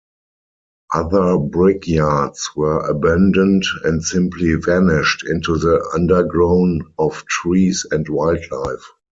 Other brickyards were abandoned and simply vanished into the undergrown of trees and wildlife.